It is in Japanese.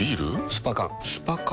スパ缶スパ缶？